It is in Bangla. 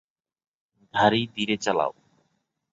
গাড়ি ধীরে চালাও।